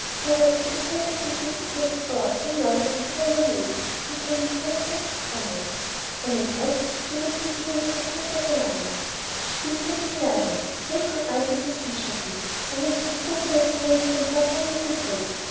"Perhaps I would better keep the seat next the door," I murmured to the yellow lady, "in case an attack should come on." "An attack!" she repeated in an accent of alarm. She whispered to the others. All three eyed me suspiciously, while I stood looking as pensive and suffering as I could.